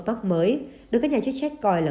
mắc mới được các nhà chức trách coi là